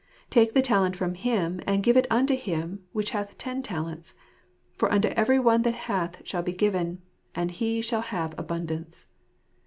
" Take the talent from him, and give it unto him which hath ten talents. For unto every one that hath shall be given ; and he shall have abundance."